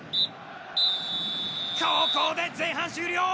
ここで前半終了！